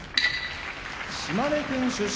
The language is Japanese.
島根県出身